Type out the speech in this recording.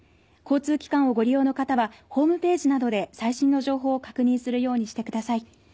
交通機関をご利用の方はホームページなどで最新の情報を確認するようにしてください。